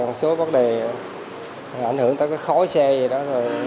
một số vấn đề ảnh hưởng tới cái khói xe vậy đó